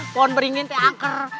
wah ini amin